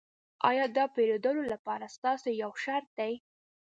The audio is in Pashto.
ایا دا د پیرودلو لپاره ستاسو یو شرط دی